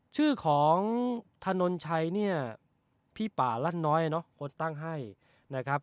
ชื่อของถนนชัยเนี่ยพี่ป่าลั่นน้อยเนอะคนตั้งให้นะครับ